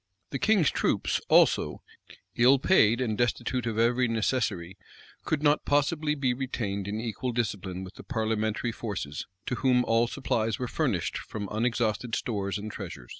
The king's troops, also, ill paid, and destitute of every necessary, could not possibly be retained in equal discipline with the parliamentary forces, to whom all supplies were furnished from unexhausted stores and treasures.